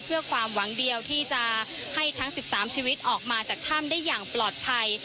เพื่อความหวังเดียวที่จะให้ทั้ง๑๓ชีวิตออกมาจากถ้ำได้อย่างปลอดภัย